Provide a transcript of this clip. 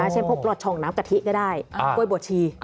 เช่นพวกปลอดช่องน้ำกะทิก็ได้กล้วยบัวชี